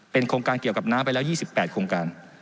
โครงการเกี่ยวกับน้ำไปแล้ว๒๘โครงการ